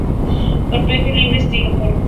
Carpelos libre, estilo corto.